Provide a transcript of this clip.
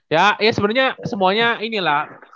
ya ya sebenernya semuanya inilah